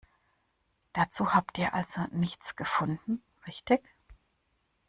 Dazu habt ihr also nichts gefunden, richtig?